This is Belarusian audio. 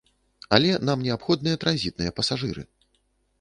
Але нам неабходныя транзітныя пасажыры.